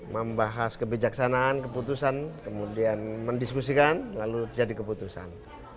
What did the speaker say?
membahas kebijaksanaan keputusan kemudian mendiskusikan lalu jadi keputusan